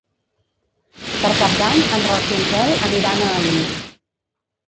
Per Cap d'Any en Roc i en Quel aniran a Alins.